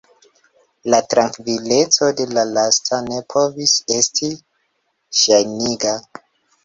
La trankvileco de la lasta ne povis esti ŝajniga.